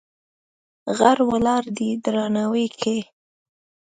غر ولاړ دی درناوی کې.